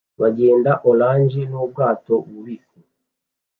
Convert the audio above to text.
bagenda orange nubwato bubisi